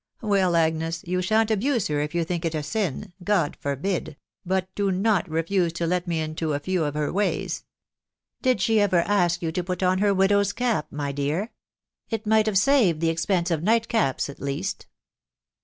.„.„ Well, Agnes, you shan't abuse her, if you think it a sin «... God fornid! ••.• But do not refuse to let me into a few of her ^aaya. .•. Did she ever ask you to put on her widow's cap, xny dear? It might have saved the expense of nightcaps at least.'